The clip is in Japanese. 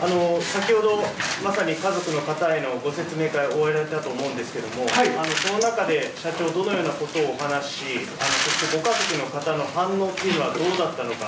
先ほど、まさに家族の方へのご説明会を終えられたと思うんですけれども、その中で社長、どのようなことをお話し、そしてご家族の方の反応というのはどうだったのか。